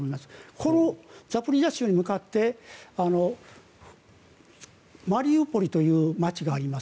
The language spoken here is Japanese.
このザポリージャ州に向かってマリウポリという街があります。